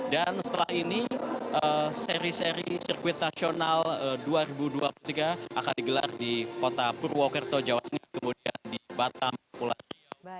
dan setelah ini seri seri sirkuit nasional dua ribu dua puluh tiga akan digelar di kota purwokerto jawa inggris kemudian di batam pulau jawa